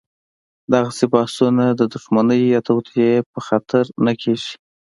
دغسې بحثونه د دښمنۍ یا توطیې په خاطر نه کېږي.